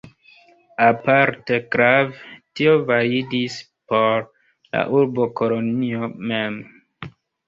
Aparte grave, tio validis por la urbo Kolonjo mem.